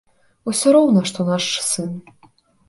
Усё роўна што наш сын.